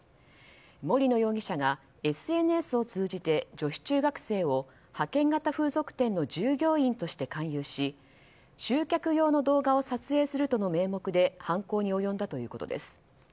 森野容疑者がＳＮＳを通じて女子中学生を派遣型風俗店の従業員として勧誘し集客用の動画を撮影するとの名目で犯行に及んだということです。